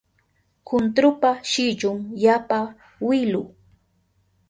Kuntrupa shillun yapa wilu